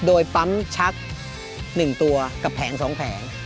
โดยปั๊มชัก๑ตัวกับแผง๒แผง